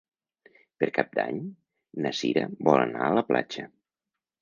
Per Cap d'Any na Cira vol anar a la platja.